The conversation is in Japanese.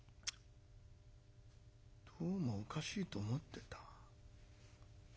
どうもおかしいと思ってた」。